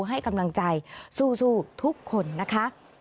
ให้กำลังใจสู้ทุกคนนะคะ